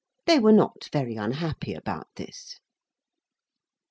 They were not very unhappy about this.